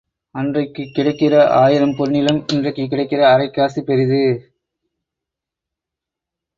அன்றைக்குக் கிடைக்கிற ஆயிரம் பொன்னிலும் இன்றைக்குக் கிடைக்கிற அரைக்காசு பெரிது.